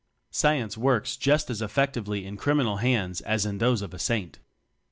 Science works just as effectively in criminal hands as in thos,^ of a saint.